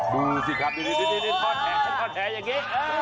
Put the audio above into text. ดูสิครับทอดแหอย่างนี้